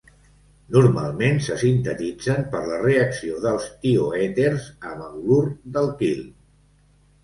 Normalment se sintetitzen per la reacció dels tioèters amb halur d'alquil.